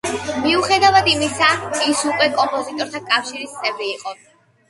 მიუხედავად ამისა, ის უკვე კომპოზიტორთა კავშირის წევრი იყო.